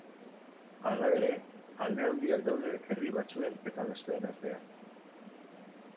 Hala ere, alde handiak daude herri batzuen eta besteen artean.